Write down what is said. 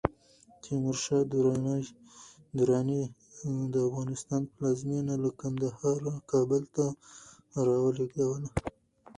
تیمور شاه دراني د افغانستان پلازمېنه له کندهاره کابل ته راولېږدوله.